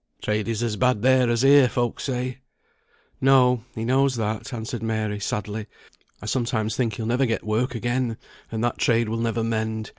Trade is as bad there as here, folk say." "No; he knows that," answered Mary, sadly. "I sometimes think he'll never get work again, and that trade will never mend.